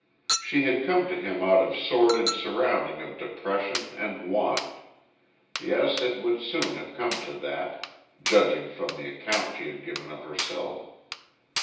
She had come to him out of sordid surrounding of depression and want yes, it would soon have come to that, judging from the account she had given of herself.